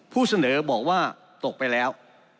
ผู้เสนอบอกว่าตกไปแล้ว